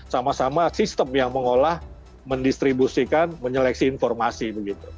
sama sama sistem yang mengolah mendistribusikan menyeleksi informasi begitu